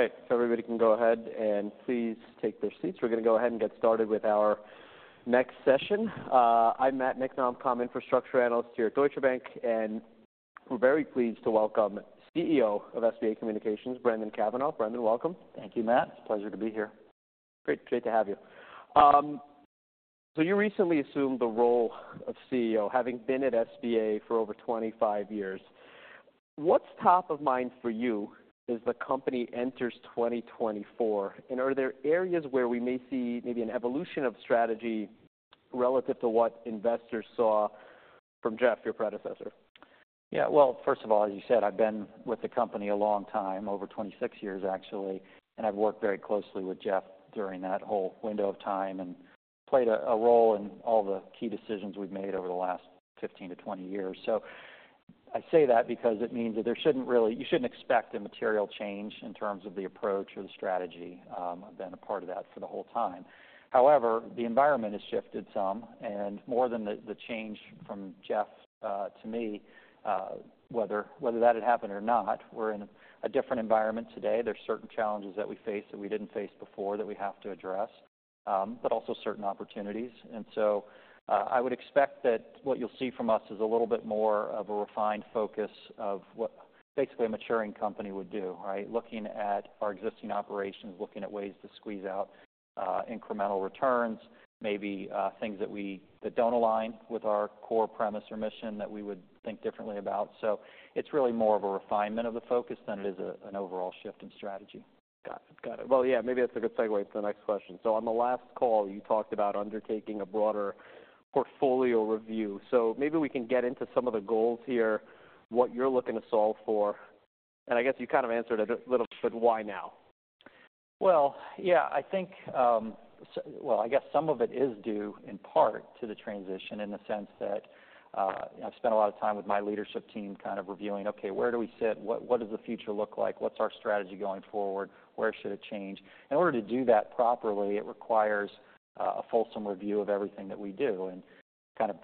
All right, so everybody can go ahead and please take their seats. We're gonna go ahead and get started with our next session. I'm Matt Niknam, Infrastructure Analyst here at Deutsche Bank, and we're very pleased to welcome CEO of SBA Communications, Brendan Cavanagh. Brendan, welcome. Thank you, Matt. It's a pleasure to be here. Great. Great to have you. So you recently assumed the role of CEO, having been at SBA for over 25 years. What's top of mind for you as the company enters 2024? And are there areas where we may see maybe an evolution of strategy relative to what investors saw from Jeff, your predecessor? Yeah. Well, first of all, as you said, I've been with the company a long time, over 26 years, actually, and I've worked very closely with Jeff during that whole window of time and played a role in all the key decisions we've made over the last 15-20 years. So I say that because it means that there shouldn't really, you shouldn't expect a material change in terms of the approach or the strategy. I've been a part of that for the whole time. However, the environment has shifted some, and more than the change from Jeff to me, whether that had happened or not, we're in a different environment today. There are certain challenges that we face that we didn't face before, that we have to address, but also certain opportunities. And so, I would expect that what you'll see from us is a little bit more of a refined focus of what, basically, a maturing company would do, right? Looking at our existing operations, looking at ways to squeeze out, incremental returns, maybe, things that don't align with our core premise or mission, that we would think differently about. So it's really more of a refinement of the focus than it is a, an overall shift in strategy. Got it. Got it. Well, yeah, maybe that's a good segue into the next question. So on the last call, you talked about undertaking a broader portfolio review. So maybe we can get into some of the goals here, what you're looking to solve for, and I guess you kind of answered it a little, but why now? Well, yeah, I think. Well, I guess some of it is due, in part, to the transition, in the sense that I've spent a lot of time with my leadership team, kind of reviewing, okay, where do we sit? What does the future look like? What's our strategy going forward? Where should it change? In order to do that properly, it requires a fulsome review of everything that we do, and kind of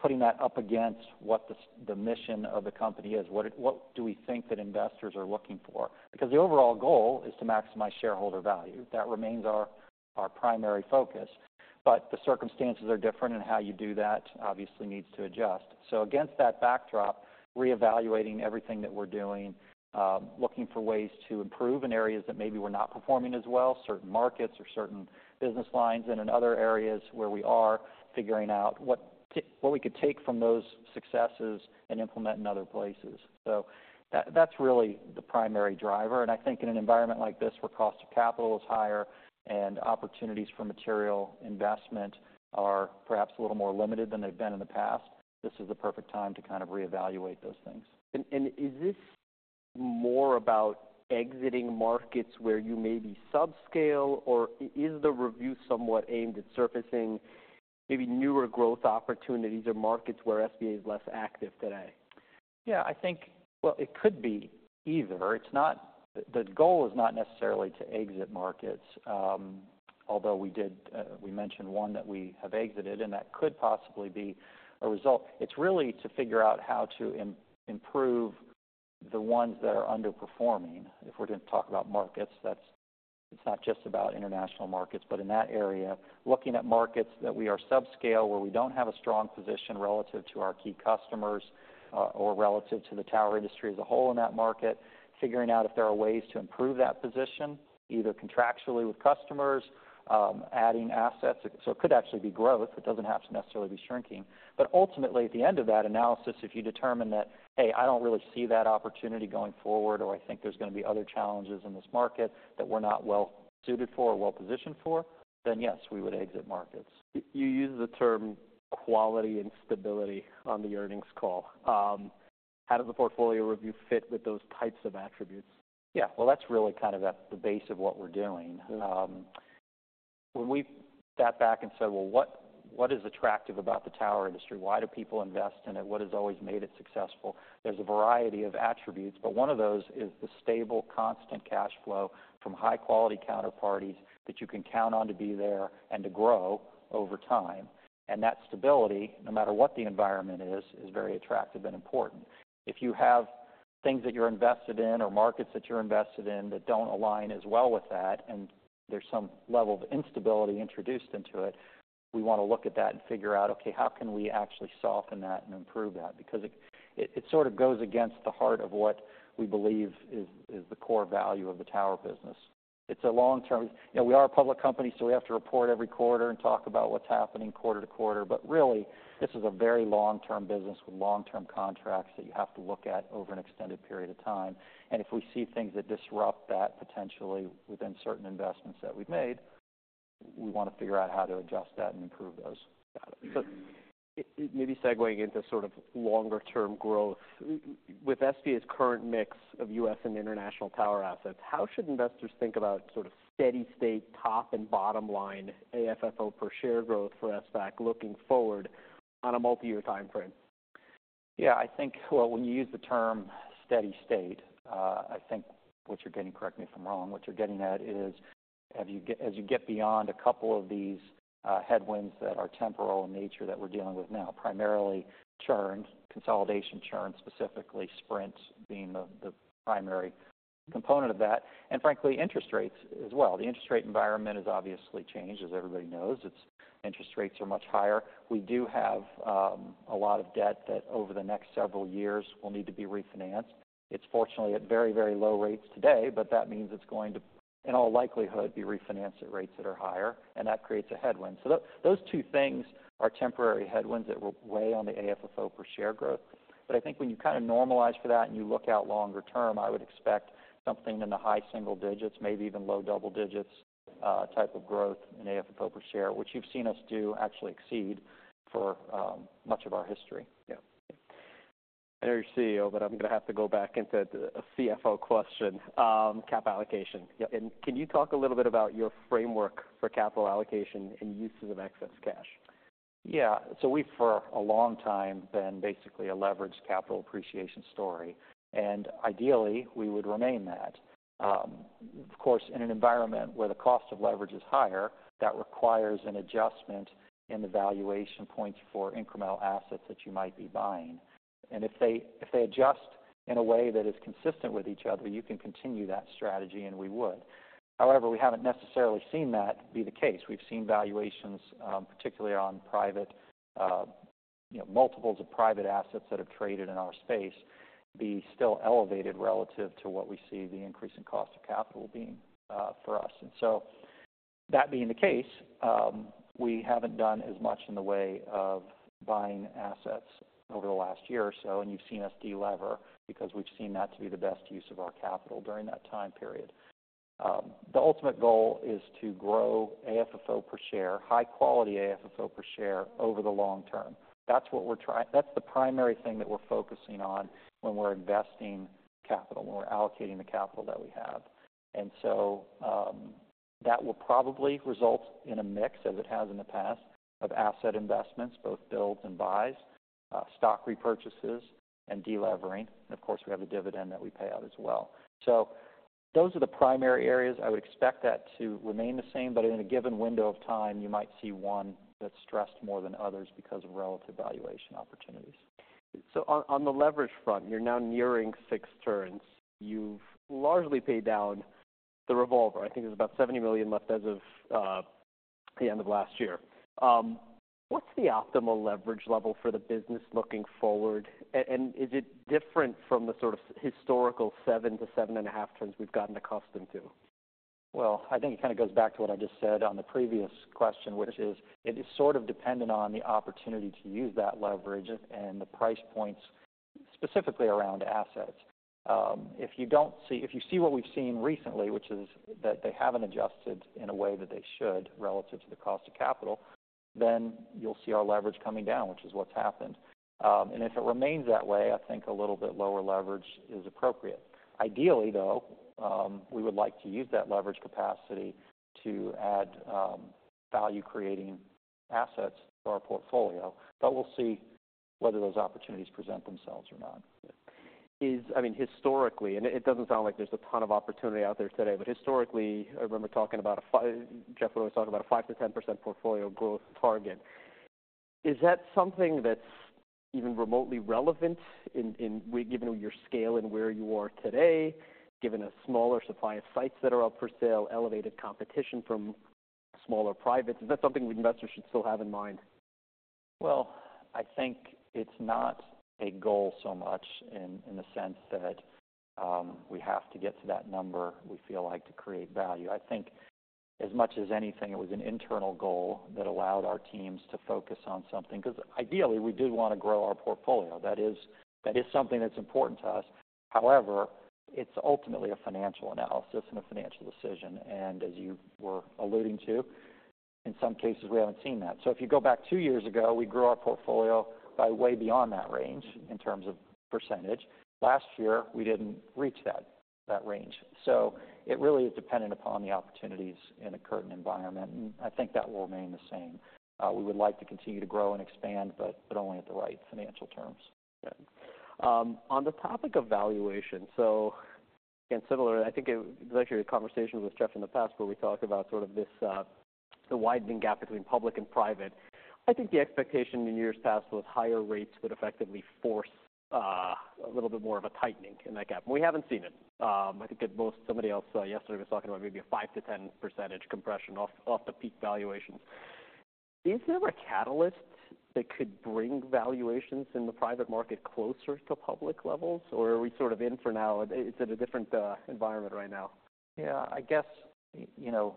putting that up against what the mission of the company is. What do we think that investors are looking for? Because the overall goal is to maximize shareholder value. That remains our primary focus, but the circumstances are different, and how you do that obviously needs to adjust. So against that backdrop, reevaluating everything that we're doing, looking for ways to improve in areas that maybe were not performing as well, certain markets or certain business lines, and in other areas where we are figuring out what we could take from those successes and implement in other places. So that, that's really the primary driver, and I think in an environment like this, where cost of capital is higher and opportunities for material investment are perhaps a little more limited than they've been in the past, this is the perfect time to kind of reevaluate those things. Is this more about exiting markets where you may be subscale, or is the review somewhat aimed at surfacing maybe newer growth opportunities or markets where SBA is less active today? Yeah, I think. Well, it could be either. It's not the goal is not necessarily to exit markets, although we did, we mentioned one that we have exited, and that could possibly be a result. It's really to figure out how to improve the ones that are underperforming. If we're gonna talk about markets, that's, it's not just about international markets, but in that area, looking at markets that we are subscale, where we don't have a strong position relative to our key customers, or relative to the tower industry as a whole in that market, figuring out if there are ways to improve that position, either contractually with customers, adding assets. So it could actually be growth. It doesn't have to necessarily be shrinking. Ultimately, at the end of that analysis, if you determine that, hey, I don't really see that opportunity going forward, or I think there's gonna be other challenges in this market that we're not well suited for or well positioned for, then, yes, we would exit markets. You used the term quality and stability on the earnings call. How does the portfolio review fit with those types of attributes? Yeah. Well, that's really kind of at the base of what we're doing. Mm-hmm. when we sat back and said: Well, what is attractive about the tower industry? Why do people invest in it? What has always made it successful? There's a variety of attributes, but one of those is the stable, constant cash flow from high-quality counterparties that you can count on to be there and to grow over time, and that stability, no matter what the environment is, is very attractive and important. If you have things that you're invested in or markets that you're invested in, that don't align as well with that, and there's some level of instability introduced into it, we want to look at that and figure out, okay, how can we actually soften that and improve that? Because it sort of goes against the heart of what we believe is the core value of the tower business. It's a long-term. You know, we are a public company, so we have to report every quarter and talk about what's happening quarter to quarter, but really, this is a very long-term business with long-term contracts that you have to look at over an extended period of time. And if we see things that disrupt that, potentially within certain investments that we've made, we want to figure out how to adjust that and improve those. Got it. So maybe segueing into sort of longer-term growth, with SBA's current mix of U.S. and international tower assets, how should investors think about sort of steady-state, top and bottom line AFFO per share growth for SBAC, looking forward on a multiyear timeframe? Yeah, I think... Well, when you use the term steady state, I think what you're getting, correct me if I'm wrong, what you're getting at is-... as you get, as you get beyond a couple of these headwinds that are temporal in nature that we're dealing with now, primarily churn, consolidation churn, specifically Sprint being the, the primary component of that, and frankly, interest rates as well. The interest rate environment has obviously changed, as everybody knows. Its interest rates are much higher. We do have a lot of debt that over the next several years, will need to be refinanced. It's fortunately at very, very low rates today, but that means it's going to, in all likelihood, be refinanced at rates that are higher, and that creates a headwind. So those two things are temporary headwinds that will weigh on the AFFO per share growth. I think when you kind of normalize for that and you look out longer term, I would expect something in the high single digits, maybe even low double digits, type of growth in AFFO per share, which you've seen us do, actually exceed for, much of our history. Yeah. I know you're CEO, but I'm gonna have to go back into a CFO question. Cap allocation. Yeah. Can you talk a little bit about your framework for capital allocation and uses of excess cash? Yeah. So we, for a long time, been basically a leveraged capital appreciation story, and ideally, we would remain that. Of course, in an environment where the cost of leverage is higher, that requires an adjustment in the valuation points for incremental assets that you might be buying. And if they, if they adjust in a way that is consistent with each other, you can continue that strategy, and we would. However, we haven't necessarily seen that be the case. We've seen valuations, particularly on private, you know, multiples of private assets that have traded in our space, be still elevated relative to what we see the increase in cost of capital being, for us. That being the case, we haven't done as much in the way of buying assets over the last year or so, and you've seen us delever because we've seen that to be the best use of our capital during that time period. The ultimate goal is to grow AFFO per share, high quality AFFO per share, over the long term. That's the primary thing that we're focusing on when we're investing capital, when we're allocating the capital that we have. And so, that will probably result in a mix, as it has in the past, of asset investments, both builds and buys, stock repurchases, and delevering. And of course, we have a dividend that we pay out as well. So those are the primary areas. I would expect that to remain the same, but in a given window of time, you might see one that's stressed more than others because of relative valuation opportunities. So on the leverage front, you're now nearing six turns. You've largely paid down the revolver. I think there's about $70 million left as of the end of last year. What's the optimal leverage level for the business looking forward? And is it different from the sort of historical 7-7.5 turns we've gotten accustomed to? Well, I think it kind of goes back to what I just said on the previous question, which is, it is sort of dependent on the opportunity to use that leverage and the price points, specifically around assets. If you see what we've seen recently, which is that they haven't adjusted in a way that they should, relative to the cost of capital, then you'll see our leverage coming down, which is what's happened. And if it remains that way, I think a little bit lower leverage is appropriate. Ideally, though, we would like to use that leverage capacity to add value-creating assets to our portfolio, but we'll see whether those opportunities present themselves or not. I mean, historically, and it doesn't sound like there's a ton of opportunity out there today, but historically, I remember talking about Jeff always talking about a 5%-10% portfolio growth target. Is that something that's even remotely relevant in, given your scale and where you are today, given a smaller supply of sites that are up for sale, elevated competition from smaller privates? Is that something investors should still have in mind? Well, I think it's not a goal so much in, in the sense that we have to get to that number, we feel like, to create value. I think as much as anything, it was an internal goal that allowed our teams to focus on something. Because ideally, we do want to grow our portfolio. That is, that is something that's important to us. However, it's ultimately a financial analysis and a financial decision, and as you were alluding to, in some cases, we haven't seen that. So if you go back two years ago, we grew our portfolio by way beyond that range in terms of percentage. Last year, we didn't reach that, that range. So it really is dependent upon the opportunities in a current environment, and I think that will remain the same. We would like to continue to grow and expand, but only at the right financial terms. On the topic of valuation, so again, similar, I think it was actually a conversation with Jeff in the past, where we talked about sort of this, the widening gap between public and private. I think the expectation in years past was higher rates would effectively force a little bit more of a tightening in that gap. We haven't seen it. I think that somebody else yesterday was talking about maybe a 5%-10% compression off the peak valuations. Is there a catalyst that could bring valuations in the private market closer to public levels, or are we sort of in for now, it's at a different environment right now? Yeah, I guess, you know,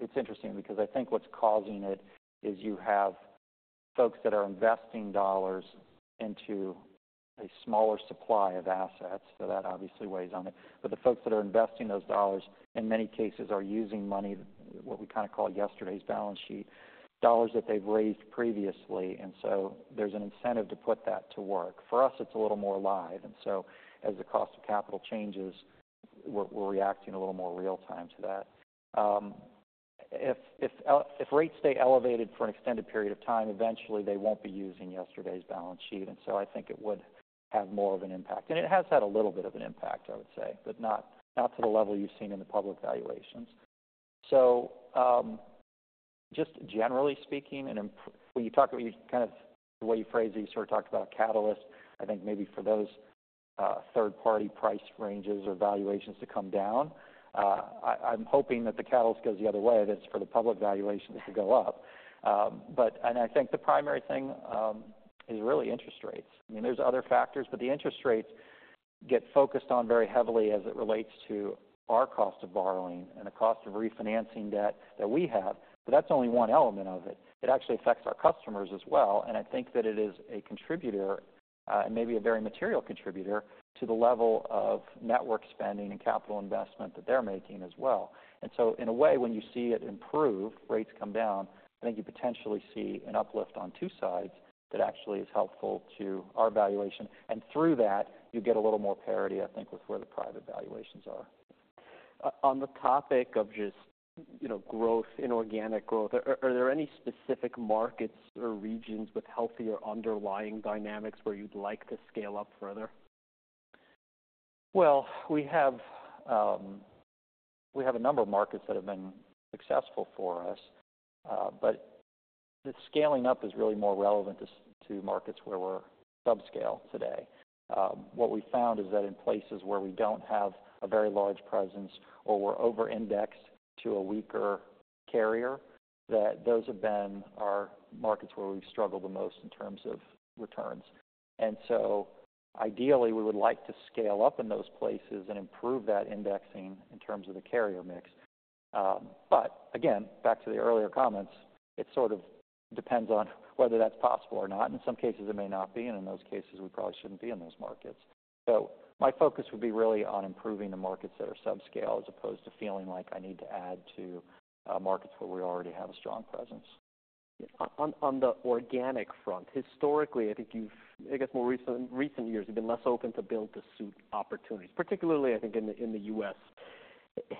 it's interesting because I think what's causing it is you have folks that are investing dollars into a smaller supply of assets, so that obviously weighs on it. But the folks that are investing those dollars, in many cases, are using money, what we kind of call yesterday's balance sheet, dollars that they've raised previously, and so there's an incentive to put that to work. For us, it's a little more live, and so as the cost of capital changes, we're reacting a little more real time to that. If rates stay elevated for an extended period of time, eventually they won't be using yesterday's balance sheet. And so I think it would have more of an impact. And it has had a little bit of an impact, I would say, but not, not to the level you've seen in the public valuations. So, just generally speaking, and when you talk about, you kind of, the way you phrase it, you sort of talked about a catalyst, I think maybe for those, third-party price ranges or valuations to come down. I, I'm hoping that the catalyst goes the other way, that's for the public valuations to go up. But and I think the primary thing, is really interest rates. I mean, there's other factors, but the interest rates get focused on very heavily as it relates to our cost of borrowing and the cost of refinancing debt that we have. But that's only one element of it. It actually affects our customers as well, and I think that it is a contributor, and maybe a very material contributor, to the level of network spending and capital investment that they're making as well. And so in a way, when you see it improve, rates come down, I think you potentially see an uplift on two sides that actually is helpful to our valuation. And through that, you get a little more parity, I think, with where the private valuations are. On the topic of just, you know, growth, inorganic growth, are there any specific markets or regions with healthier underlying dynamics where you'd like to scale up further? Well, we have a number of markets that have been successful for us, but the scaling up is really more relevant to markets where we're subscale today. What we found is that in places where we don't have a very large presence or we're over-indexed to a weaker carrier, that those have been our markets where we've struggled the most in terms of returns. And so ideally, we would like to scale up in those places and improve that indexing in terms of the carrier mix. But again, back to the earlier comments, it sort of depends on whether that's possible or not. In some cases, it may not be, and in those cases, we probably shouldn't be in those markets. So my focus would be really on improving the markets that are subscale, as opposed to feeling like I need to add to markets where we already have a strong presence. On the organic front, historically, I think, I guess, in more recent years, you've been less open to build-to-suit opportunities, particularly, I think, in the U.S.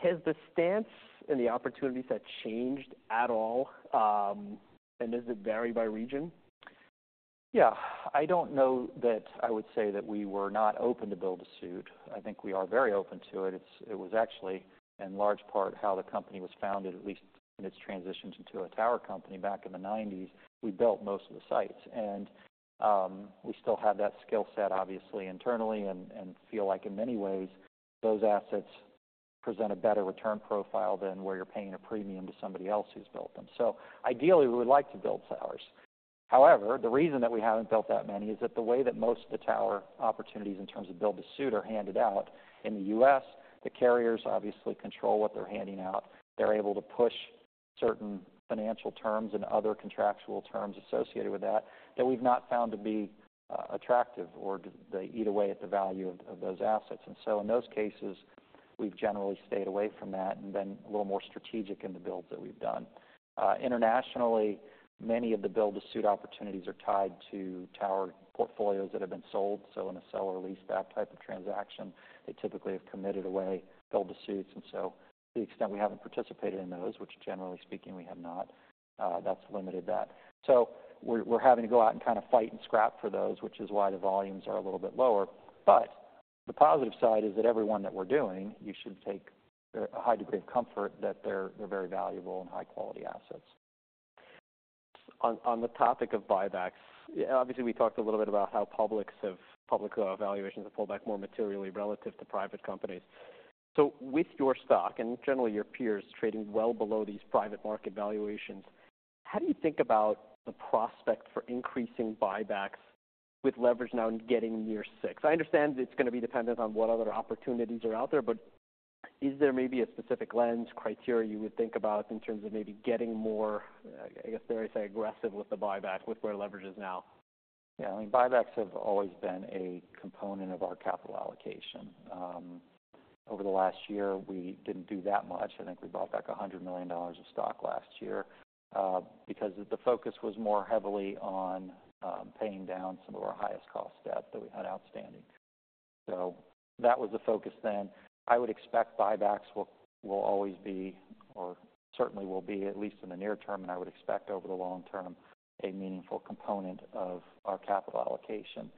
Has the stance and the opportunities had changed at all, and does it vary by region? Yeah. I don't know that I would say that we were not open to build-to-suit. I think we are very open to it. It's, it was actually, in large part, how the company was founded, at least in its transitions into a tower company back in the 1990s, we built most of the sites. And we still have that skill set, obviously, internally and feel like, in many ways, those assets present a better return profile than where you're paying a premium to somebody else who's built them. So ideally, we would like to build towers. However, the reason that we haven't built that many is that the way that most of the tower opportunities, in terms of build-to-suit, are handed out in the U.S., the carriers obviously control what they're handing out. They're able to push certain financial terms and other contractual terms associated with that, that we've not found to be attractive, or they eat away at the value of those assets. And so in those cases, we've generally stayed away from that and been a little more strategic in the builds that we've done. Internationally, many of the build-to-suit opportunities are tied to tower portfolios that have been sold. So in a sell or leaseback type of transaction, they typically have committed away build-to-suits. And so to the extent we haven't participated in those, which generally speaking, we have not, that's limited that. So we're having to go out and kind of fight and scrap for those, which is why the volumes are a little bit lower. But the positive side is that everyone that we're doing, you should take a high degree of comfort that they're very valuable and high-quality assets. On the topic of buybacks, obviously, we talked a little bit about how public valuations have pulled back more materially relative to private companies. So with your stock and generally your peers trading well below these private market valuations, how do you think about the prospect for increasing buybacks with leverage now getting near six? I understand it's gonna be dependent on what other opportunities are out there, but is there maybe a specific lens criteria you would think about in terms of maybe getting more, I guess, dare I say, aggressive with the buyback, with where leverage is now? Yeah, I mean, buybacks have always been a component of our capital allocation. Over the last year, we didn't do that much. I think we bought back $100 million of stock last year, because the focus was more heavily on paying down some of our highest cost debt that we had outstanding. So that was the focus then. I would expect buybacks will, will always be, or certainly will be, at least in the near term, and I would expect over the long term, a meaningful component of our capital allocation.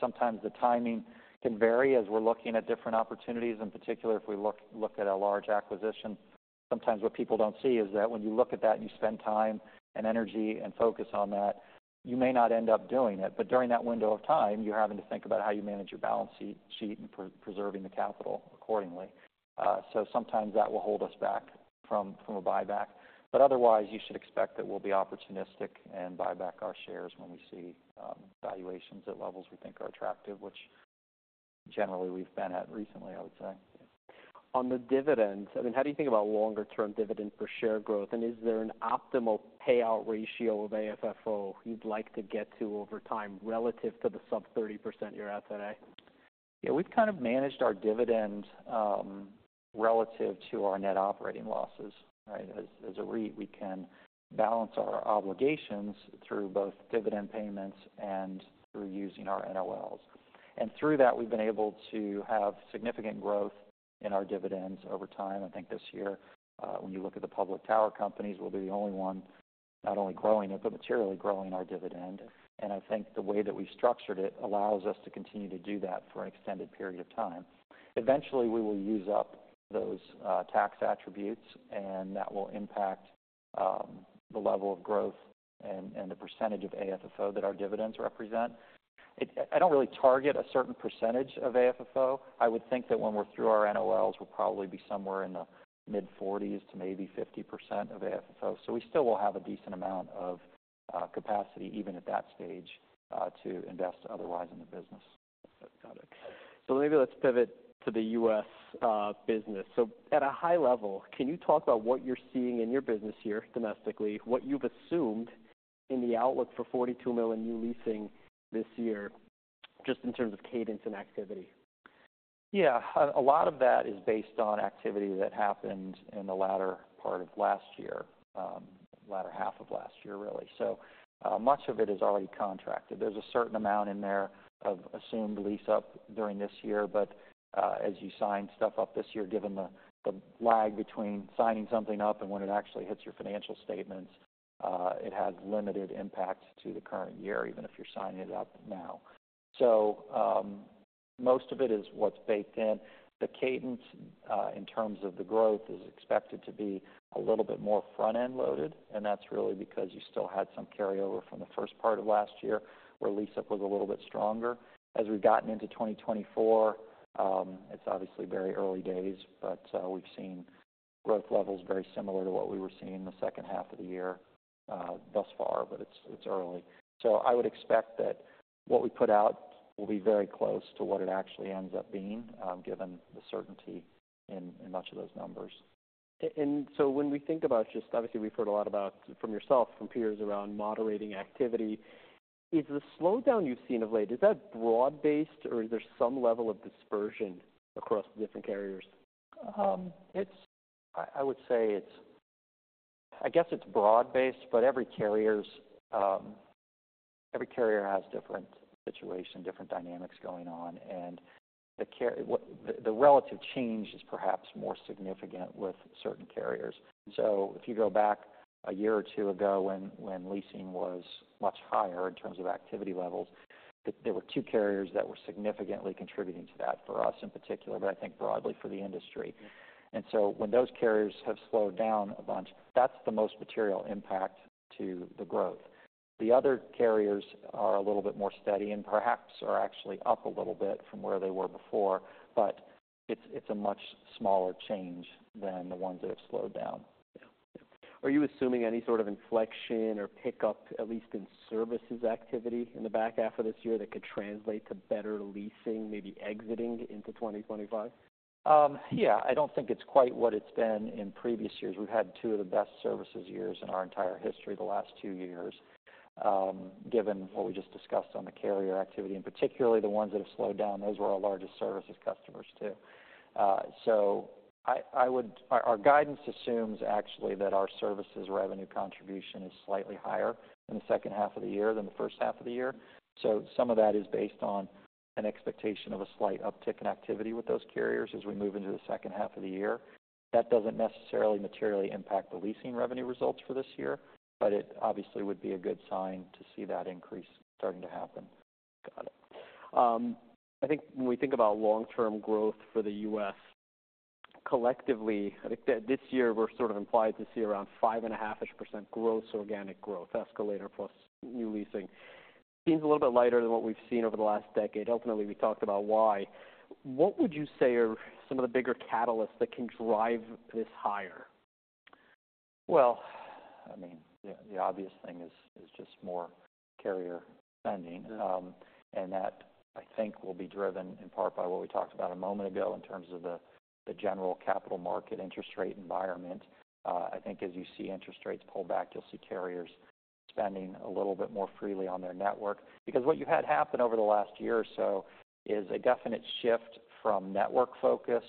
Sometimes the timing can vary as we're looking at different opportunities, in particular, if we look, look at a large acquisition. Sometimes what people don't see is that when you look at that and you spend time and energy and focus on that, you may not end up doing it. But during that window of time, you're having to think about how you manage your balance sheet and preserving the capital accordingly. So sometimes that will hold us back from a buyback. But otherwise, you should expect that we'll be opportunistic and buy back our shares when we see valuations at levels we think are attractive, which generally we've been at recently, I would say. On the dividends, I mean, how do you think about longer-term dividend per share growth, and is there an optimal payout ratio of AFFO you'd like to get to over time, relative to the sub 30% you're at today? Yeah, we've kind of managed our dividend relative to our net operating losses, right? As a REIT, we can balance our obligations through both dividend payments and through using our NOLs. And through that, we've been able to have significant growth in our dividends over time. I think this year, when you look at the public tower companies, we'll be the only one. not only growing it, but materially growing our dividend. And I think the way that we structured it allows us to continue to do that for an extended period of time. Eventually, we will use up those tax attributes, and that will impact the level of growth and the percentage of AFFO that our dividends represent. I don't really target a certain percentage of AFFO. I would think that when we're through our NOLs, we'll probably be somewhere in the mid-40%s to maybe 50% of AFFO. So we still will have a decent amount of capacity, even at that stage, to invest otherwise in the business. Got it. So maybe let's pivot to the U.S. business. So at a high level, can you talk about what you're seeing in your business here domestically, what you've assumed in the outlook for $42 million new leasing this year, just in terms of cadence and activity? Yeah. A lot of that is based on activity that happened in the latter part of last year, latter half of last year, really. So, much of it is already contracted. There's a certain amount in there of assumed lease up during this year, but, as you sign stuff up this year, given the lag between signing something up and when it actually hits your financial statements, it has limited impact to the current year, even if you're signing it up now. So, most of it is what's baked in. The cadence, in terms of the growth, is expected to be a little bit more front-end loaded, and that's really because you still had some carryover from the first part of last year, where lease up was a little bit stronger. As we've gotten into 2024, it's obviously very early days, but, we've seen growth levels very similar to what we were seeing in the second half of the year, thus far, but it's, it's early. So I would expect that what we put out will be very close to what it actually ends up being, given the certainty in, in much of those numbers. So when we think about just. Obviously, we've heard a lot about from yourself, from peers, around moderating activity. Is the slowdown you've seen of late, is that broad-based, or is there some level of dispersion across the different carriers? It's, I would say it's, I guess it's broad-based, but every carrier's every carrier has different situation, different dynamics going on, and the relative change is perhaps more significant with certain carriers. So if you go back a year or two ago when leasing was much higher in terms of activity levels, there were two carriers that were significantly contributing to that, for us, in particular, but I think broadly for the industry. And so when those carriers have slowed down a bunch, that's the most material impact to the growth. The other carriers are a little bit more steady and perhaps are actually up a little bit from where they were before, but it's a much smaller change than the ones that have slowed down. Are you assuming any sort of inflection or pickup, at least in services activity in the back half of this year, that could translate to better leasing, maybe exiting into 2025? Yeah, I don't think it's quite what it's been in previous years. We've had two of the best services years in our entire history, the last two years, given what we just discussed on the carrier activity, and particularly the ones that have slowed down, those were our largest services customers, too. So, our guidance assumes, actually, that our services revenue contribution is slightly higher in the second half of the year than the first half of the year. So some of that is based on an expectation of a slight uptick in activity with those carriers as we move into the second half of the year. That doesn't necessarily materially impact the leasing revenue results for this year, but it obviously would be a good sign to see that increase starting to happen. Got it. I think when we think about long-term growth for the U.S., collectively, I think that this year we're sort of implied to see around 5.5%-ish growth, organic growth, escalator plus new leasing. Seems a little bit lighter than what we've seen over the last decade. Ultimately, we talked about why. What would you say are some of the bigger catalysts that can drive this higher? Well, I mean, the obvious thing is just more carrier spending. And that, I think, will be driven in part by what we talked about a moment ago in terms of the general capital market interest rate environment. I think as you see interest rates pull back, you'll see carriers spending a little bit more freely on their network. Because what you had happen over the last year or so is a definite shift from network focus.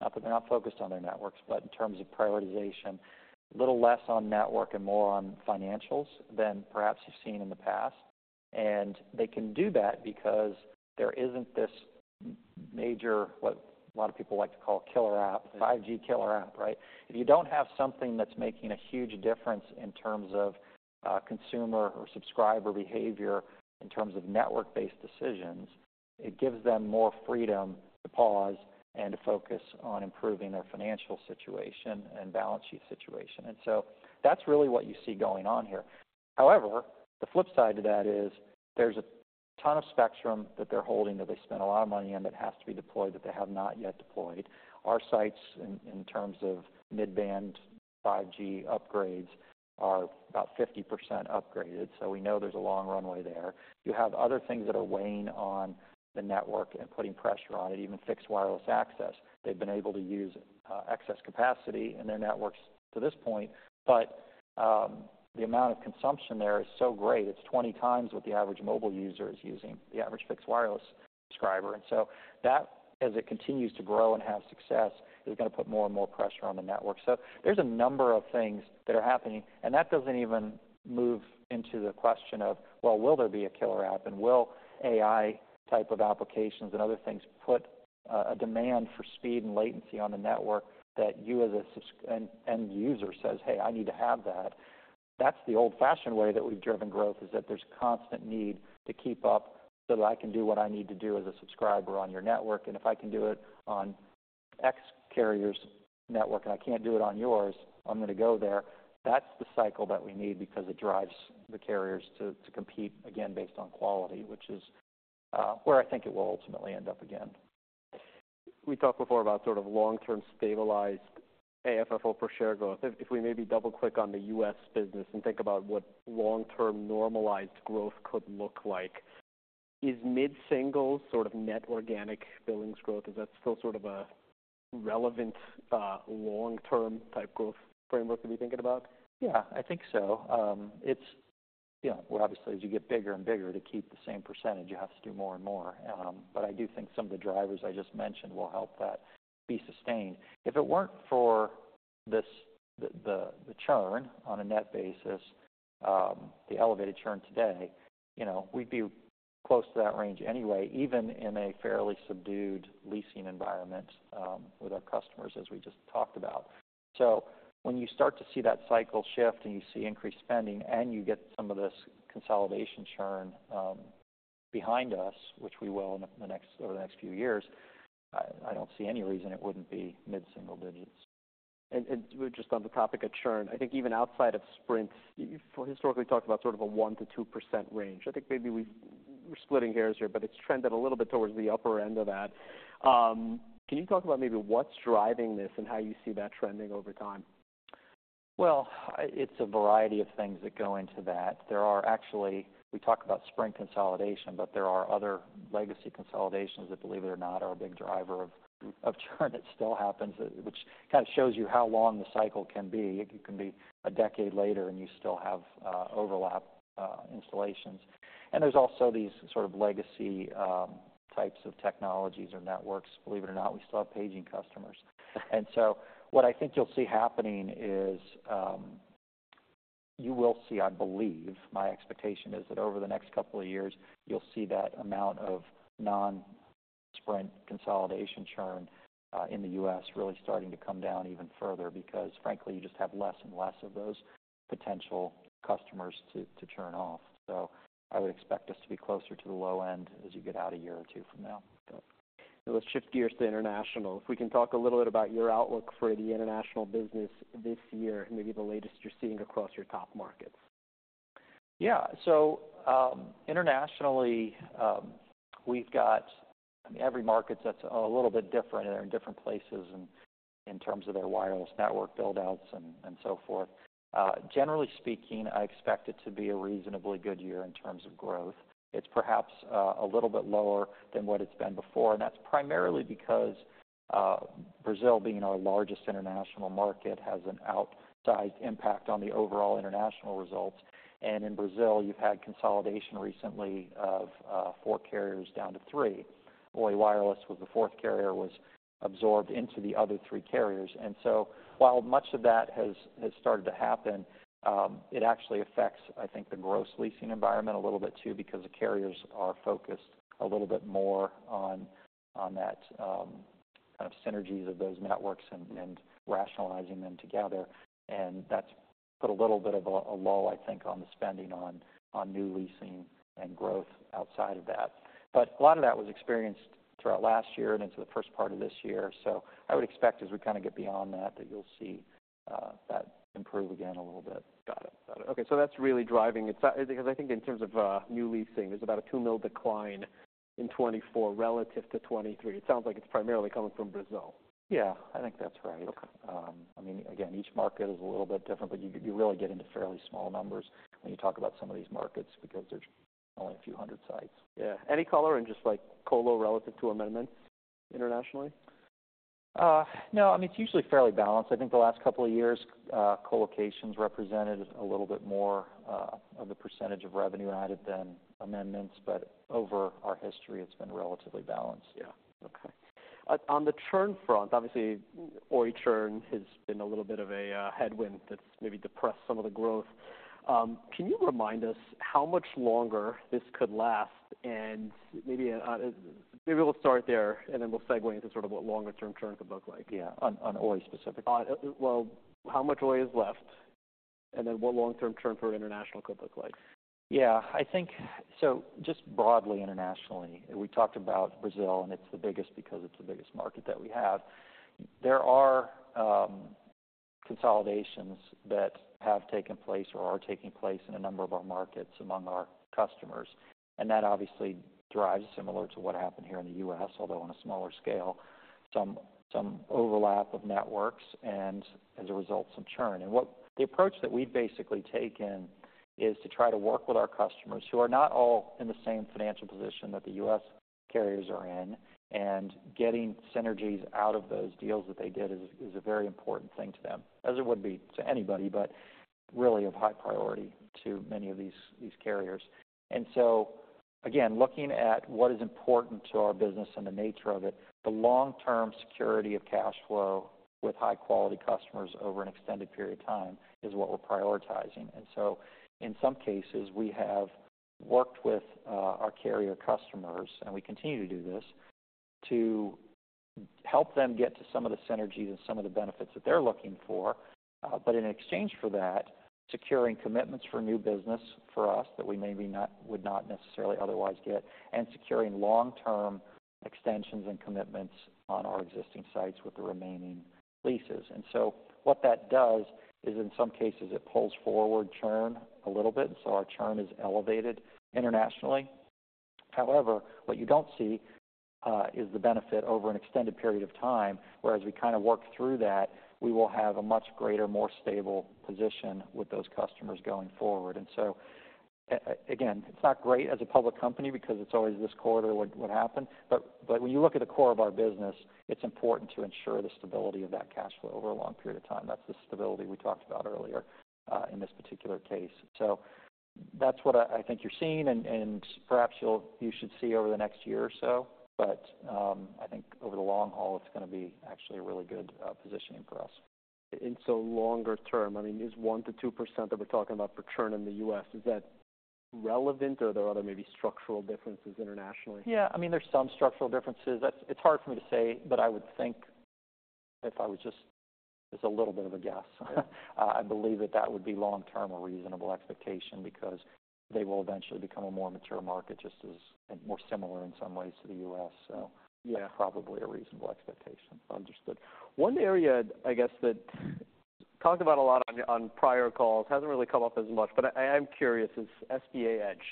Not that they're not focused on their networks, but in terms of prioritization, a little less on network and more on financials than perhaps you've seen in the past. And they can do that because there isn't this major, what a lot of people like to call killer app, 5G killer app, right? If you don't have something that's making a huge difference in terms of, consumer or subscriber behavior, in terms of network-based decisions, it gives them more freedom to pause and to focus on improving their financial situation and balance sheet situation. And so that's really what you see going on here. However, the flip side to that is there's a ton of spectrum that they're holding, that they spent a lot of money on, that has to be deployed, that they have not yet deployed. Our sites in terms of mid-band 5G upgrades, are about 50% upgraded, so we know there's a long runway there. You have other things that are weighing on the network and putting pressure on it, even fixed wireless access. They've been able to use excess capacity in their networks to this point, but the amount of consumption there is so great, it's 20x what the average mobile user is using, the average fixed wireless subscriber. And so that, as it continues to grow and have success, is gonna put more and more pressure on the network. So there's a number of things that are happening, and that doesn't even move into the question of, well, will there be a killer app, and will AI type of applications and other things put- A demand for speed and latency on the network that you as a subscriber, an end user says, "Hey, I need to have that." That's the old-fashioned way that we've driven growth, is that there's constant need to keep up so that I can do what I need to do as a subscriber on your network. And if I can do it on X carrier's network, and I can't do it on yours, I'm gonna go there. That's the cycle that we need because it drives the carriers to compete, again, based on quality, which is where I think it will ultimately end up again. We talked before about sort of long-term stabilized AFFO per share growth. If, if we maybe double-click on the U.S. business and think about what long-term normalized growth could look like, is mid-single sort of net organic billings growth, is that still sort of a relevant, long-term type growth framework to be thinking about? Yeah, I think so. It's, you know, well, obviously, as you get bigger and bigger, to keep the same percentage, you have to do more and more. But I do think some of the drivers I just mentioned will help that be sustained. If it weren't for this, the churn on a net basis, the elevated churn today, you know, we'd be close to that range anyway, even in a fairly subdued leasing environment, with our customers, as we just talked about. So when you start to see that cycle shift, and you see increased spending, and you get some of this consolidation churn, behind us, which we will over the next few years, I don't see any reason it wouldn't be mid-single digits. And just on the topic of churn, I think even outside of Sprint, you've historically talked about sort of a 1%-2% range. I think maybe we're splitting hairs here, but it's trended a little bit towards the upper end of that. Can you talk about maybe what's driving this and how you see that trending over time? Well, it's a variety of things that go into that. There are actually, we talk about Sprint consolidation, but there are other legacy consolidations that, believe it or not, are a big driver of churn that still happens, which kind of shows you how long the cycle can be. It can be a decade later, and you still have overlap installations. And there's also these sort of legacy types of technologies or networks. Believe it or not, we still have paging customers. And so what I think you'll see happening is you will see, I believe, my expectation is that over the next couple of years, you'll see that amount of non-Sprint consolidation churn in the U.S. really starting to come down even further because, frankly, you just have less and less of those potential customers to churn off. So I would expect us to be closer to the low end as you get out a year or two from now. So. Let's shift gears to international. If we can talk a little bit about your outlook for the international business this year, maybe the latest you're seeing across your top markets. Yeah. So, internationally, we've got every market that's a little bit different and in different places in terms of their wireless network buildouts and so forth. Generally speaking, I expect it to be a reasonably good year in terms of growth. It's perhaps a little bit lower than what it's been before, and that's primarily because Brazil, being our largest international market, has an outsized impact on the overall international results. And in Brazil, you've had consolidation recently of four carriers down to three. Oi Wireless was the fourth carrier, was absorbed into the other three carriers. And so while much of that has started to happen, it actually affects, I think, the gross leasing environment a little bit, too, because the carriers are focused a little bit more on that kind of synergies of those networks and rationalizing them together. And that's put a little bit of a lull, I think, on the spending on new leasing and growth outside of that. But a lot of that was experienced throughout last year and into the first part of this year. So I would expect, as we kind of get beyond that, that you'll see that improve again a little bit. Got it. Got it. Okay, so that's really driving it. Because I think in terms of, new leasing, there's about a $2 million decline in 2024 relative to 2023. It sounds like it's primarily coming from Brazil. Yeah, I think that's right. Okay. I mean, again, each market is a little bit different, but you, you really get into fairly small numbers when you talk about some of these markets because there's only a few hundred sites. Yeah. Any color in just, like, colo relative to amendment internationally? No, I mean, it's usually fairly balanced. I think the last couple of years, colocations represented a little bit more of the percentage of revenue added than amendments, but over our history, it's been relatively balanced. Yeah. Okay. On the churn front, obviously, Oi churn has been a little bit of a headwind that's maybe depressed some of the growth. Can you remind us how much longer this could last? And maybe we'll start there, and then we'll segue into sort of what longer-term churn could look like. Yeah, on Oi specifically. Well, how much Oi is left, and then what long-term churn for international could look like? Yeah, I think, so just broadly internationally, we talked about Brazil, and it's the biggest because it's the biggest market that we have. There are consolidations that have taken place or are taking place in a number of our markets among our customers, and that obviously drives, similar to what happened here in the U.S., although on a smaller scale, some overlap of networks and, as a result, some churn. And, the approach that we've basically taken is to try to work with our customers, who are not all in the same financial position that the U.S. carriers are in, and getting synergies out of those deals that they did is a very important thing to them, as it would be to anybody, but really of high priority to many of these carriers. And so again, looking at what is important to our business and the nature of it, the long-term security of cash flow with high-quality customers over an extended period of time is what we're prioritizing. And so in some cases, we have worked with our carrier customers, and we continue to do this, to help them get to some of the synergies and some of the benefits that they're looking for. But in exchange for that, securing commitments for new business for us that we would not necessarily otherwise get, and securing long-term extensions and commitments on our existing sites with the remaining leases. And so what that does is, in some cases, it pulls forward churn a little bit, so our churn is elevated internationally. However, what you don't see is the benefit over an extended period of time, whereas we kind of work through that, we will have a much greater, more stable position with those customers going forward. And so, again, it's not great as a public company because it's always this quarter, what happened? But when you look at the core of our business, it's important to ensure the stability of that cash flow over a long period of time. That's the stability we talked about earlier in this particular case. So that's what I think you're seeing, and perhaps you should see over the next year or so. But I think over the long haul, it's gonna be actually a really good positioning for us. And so longer term, I mean, is 1%-2% that we're talking about for churn in the U.S., is that relevant, or are there other maybe structural differences internationally? Yeah. I mean, there's some structural differences. That's it's hard for me to say, but I would think if I was just, it's a little bit of a guess. I believe that that would be long-term a reasonable expectation because they will eventually become a more mature market, just as, and more similar in some ways to the U.S. So- Yeah. Probably a reasonable expectation. Understood. One area, I guess, that talked about a lot on prior calls hasn't really come up as much, but I am curious, is SBA Edge.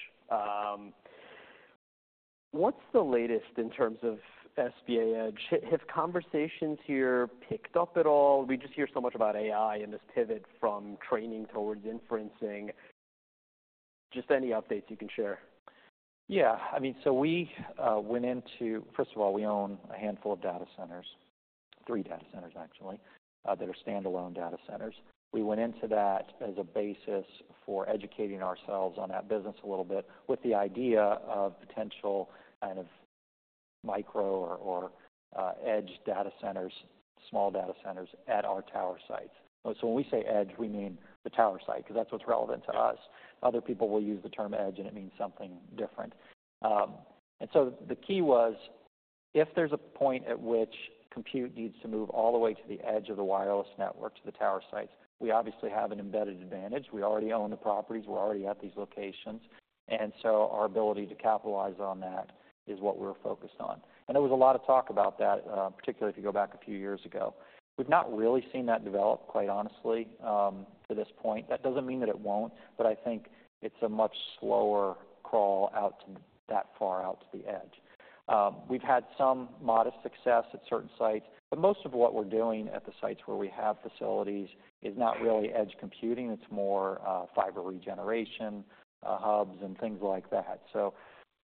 What's the latest in terms of SBA Edge? Have conversations here picked up at all? We just hear so much about AI and this pivot from training towards inferencing. Just any updates you can share. Yeah. I mean, so we went into first of all, we own a handful of data centers, three data centers actually, that are standalone data centers. We went into that as a basis for educating ourselves on that business a little bit, with the idea of potential kind of micro or edge data centers, small data centers at our tower sites. So when we say edge, we mean the tower site, 'cause that's what's relevant to us. Other people will use the term edge, and it means something different. And so the key was, if there's a point at which compute needs to move all the way to the edge of the wireless network, to the tower sites, we obviously have an embedded advantage. We already own the properties. We're already at these locations, and so our ability to capitalize on that is what we're focused on. There was a lot of talk about that, particularly if you go back a few years ago. We've not really seen that develop, quite honestly, to this point. That doesn't mean that it won't, but I think it's a much slower crawl out to that far out to the edge. We've had some modest success at certain sites, but most of what we're doing at the sites where we have facilities is not really edge computing, it's more fiber regeneration, hubs and things like that. So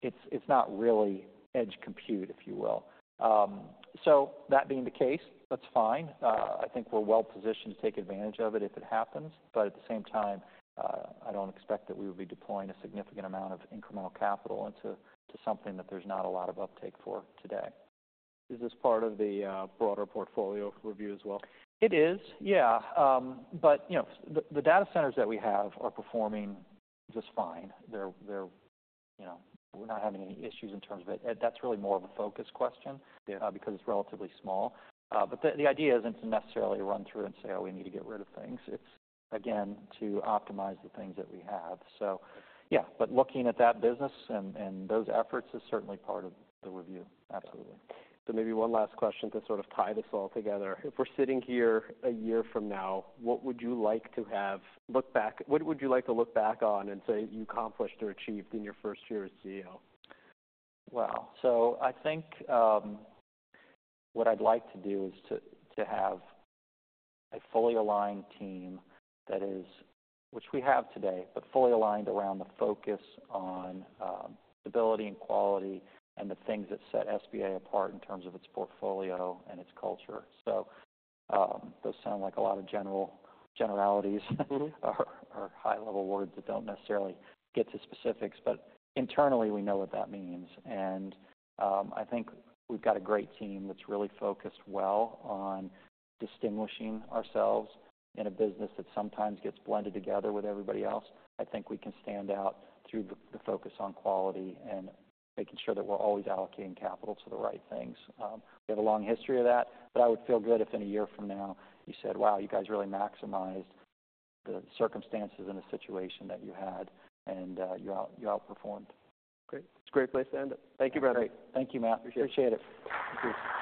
it's, it's not really edge compute, if you will. So that being the case, that's fine. I think we're well positioned to take advantage of it if it happens, but at the same time, I don't expect that we would be deploying a significant amount of incremental capital into something that there's not a lot of uptake for today. Is this part of the broader portfolio review as well? It is, yeah. But, you know, the data centers that we have are performing just fine. They're, you know, we're not having any issues in terms of it. That's really more of a focus question- Yeah Because it's relatively small. But the idea isn't to necessarily run through and say, "Oh, we need to get rid of things." It's, again, to optimize the things that we have. So yeah, but looking at that business and those efforts is certainly part of the review. Absolutely. Maybe one last question to sort of tie this all together. If we're sitting here a year from now, what would you like to have look back? What would you like to look back on and say you accomplished or achieved in your first year as CEO? Well, so I think what I'd like to do is to have a fully aligned team that is. which we have today, but fully aligned around the focus on stability and quality and the things that set SBA apart in terms of its portfolio and its culture. So, those sound like a lot of generalities. Mm-hmm. High-level words that don't necessarily get to specifics, but internally, we know what that means, and I think we've got a great team that's really focused well on distinguishing ourselves in a business that sometimes gets blended together with everybody else. I think we can stand out through the focus on quality and making sure that we're always allocating capital to the right things. We have a long history of that, but I would feel good if in a year from now, you said, "Wow, you guys really maximized the circumstances and the situation that you had, and you outperformed. Great. It's a great place to end it. Thank you, Brendan. Great. Thank you, Matt. Appreciate it. Appreciate it.